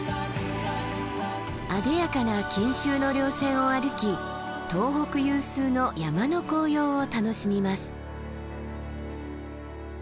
あでやかな錦繍の稜線を歩き東北有数の山の紅葉を楽しみます。